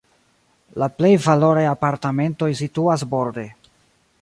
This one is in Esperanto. La plej valoraj apartamentoj situas borde.